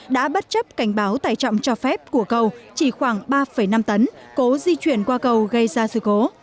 đã bất chấp cảnh báo tải trọng cho phép của cầu chỉ khoảng ba năm tấn cố di chuyển qua cầu gây ra sự cố